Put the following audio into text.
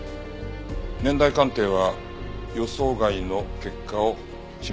年代鑑定は予想外の結果を示した。